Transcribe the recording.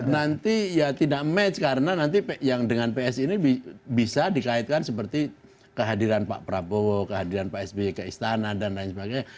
nanti ya tidak match karena nanti yang dengan psi ini bisa dikaitkan seperti kehadiran pak prabowo kehadiran pak sby ke istana dan lain sebagainya